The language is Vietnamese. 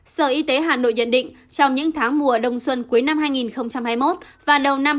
sở y tế hà nội nhận định trong những tháng mùa đông xuân cuối năm hai nghìn hai mươi một và đầu năm hai nghìn hai mươi